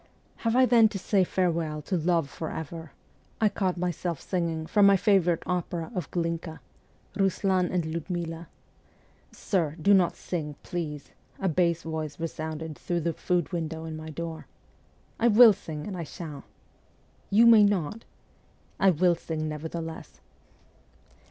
' Have I then to say farewell to love for ever ' I caught myself singing from my favourite opera of Glinka, " Ruslan and Ludmila." ' Sir, do not sing, please,' a bass voice resounded through the food window in my door. 'I will sing, and I shall.' 'You may not.' ' I will sing nevertheless.'